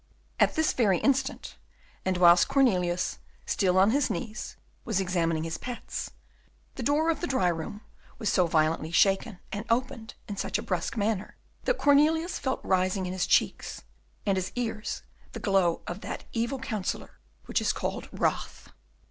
At this very instant, and whilst Cornelius, still on his knees, was examining his pets, the door of the dry room was so violently shaken, and opened in such a brusque manner, that Cornelius felt rising in his cheeks and his ears the glow of that evil counsellor which is called wrath.